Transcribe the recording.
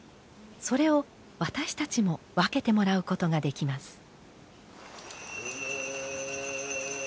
それを私たちも分けてもらうことができます。